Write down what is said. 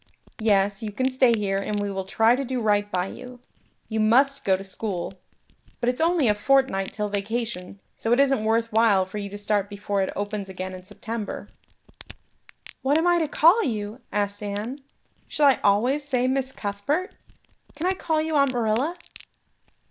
Yes, you can stay here and we will try to do right by you. You must go to school; but it's only a fortnight till vacation so it isn't worth while for you to start before it opens again in September." "What am I to call you?" asked Anne. "Shall I always say Miss Cuthbert? Can I call you Aunt Marilla?"